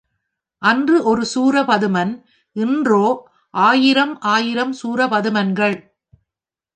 அன்று ஒரு சூரபதுமன் இன்றோ ஆயிரம் ஆயிரம் சூரபதுமன்கள்.